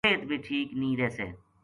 صحت بھی ٹھیک نیہہ رہسے